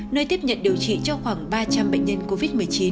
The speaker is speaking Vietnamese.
nơi tiếp nhận điều trị cho khoảng ba trăm linh bệnh nhân covid một mươi chín